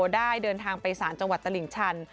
ได้เดินทางไปสารจังหวัดตลิ่งชัน